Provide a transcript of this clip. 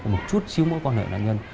một chút xíu mối quan hệ nạn nhân